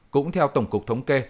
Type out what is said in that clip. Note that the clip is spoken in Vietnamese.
cũng theo tổng cục thống kê